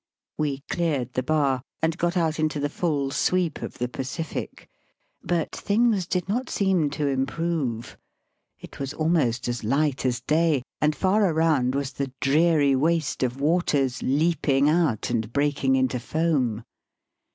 We cleared the bar, and got out into the full sweep of the Pacific ; but things did not seem to improve. It was almost as light as day, and far around was the dreary waste of waters leaping out and breaking into foam.